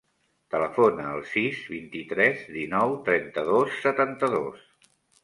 Telefona al sis, vint-i-tres, dinou, trenta-dos, setanta-dos.